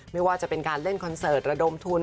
ไม่ว่าจะเป็นการเล่นคอนเสิร์ตระดมทุน